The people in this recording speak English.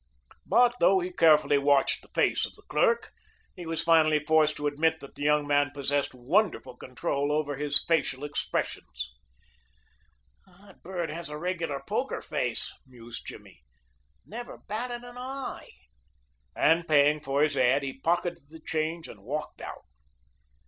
But though he carefully watched the face of the clerk, he was finally forced to admit that the young man possessed wonderful control over his facial expression. "That bird has a regular poker face," mused Jimmy; "never batted an eye," and paying for his ad he pocketed the change and walked out.